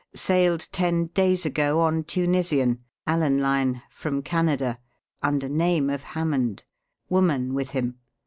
Sailed ten days ago on Tunisian Allan Line from Canada, under name of Hammond. Woman with him.